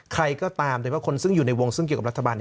ใครก็ตามแต่ว่าคนซึ่งอยู่ในวงซึ่งเกี่ยวกับรัฐบาล